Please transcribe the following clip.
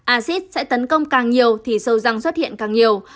acid sẽ tấn công càng nhiều thì sâu răng xuất hiện càng nhiều